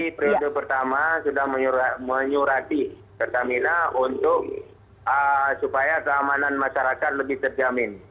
saya menarik bupati periode pertama sudah menyurati pertamina untuk supaya keamanan masyarakat lebih terjamin